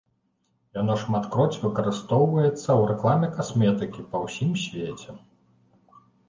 Яно шматкроць выкарыстоўваецца ў рэкламе касметыкі па ўсім свеце.